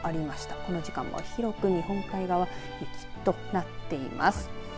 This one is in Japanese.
この時間も広く日本海側雪となっています。